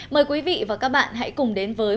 mời quý vị và các bạn hãy cùng đến với